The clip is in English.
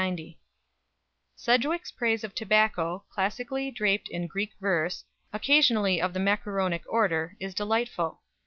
Sidgwick's praise of tobacco, classically draped in Greek verse, occasionally of the macaronic order, is delightful.